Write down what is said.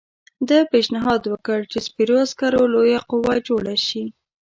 ده پېشنهاد وکړ چې سپرو عسکرو لویه قوه جوړه شي.